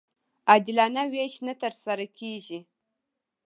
عادلانه وېش نه ترسره کېږي.